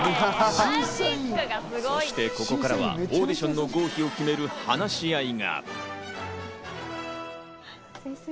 そして、ここからはオーディションの合否を決める話し合いが。